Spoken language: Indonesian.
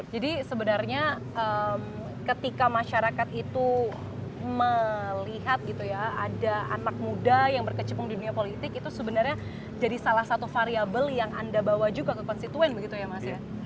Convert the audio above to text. jadi sebenarnya ketika masyarakat itu melihat gitu ya ada anak muda yang berkecimpung di dunia politik itu sebenarnya jadi salah satu variable yang anda bawa juga ke konstituen begitu ya mas ya